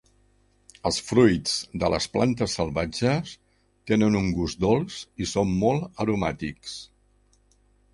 Els fruits de les plantes salvatges tenen un gust dolç i són molt aromàtics.